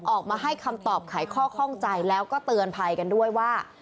ออกมาให้คำตอบไขข้อข้องใจแล้วก็เตือนภัยกันด้วยว่า